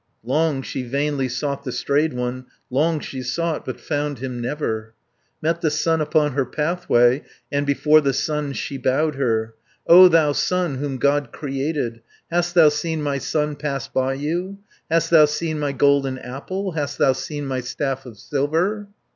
Long she vainly sought the strayed one, Long she sought, but found him never, Met the sun upon her pathway, And before the sun she bowed her. 180 "O thou sun, whom God created, Hast thou seen my son pass by you, Hast thou seen my golden apple, Hast thou seen my staff of silver?"